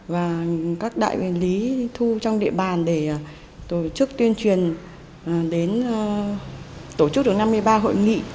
và các đại lý thu trong địa bàn để tổ chức tuyên truyền đến tổ chức được năm mươi ba hội nghị